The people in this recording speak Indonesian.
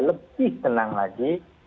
lebih senang lagi